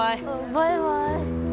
バイバイ。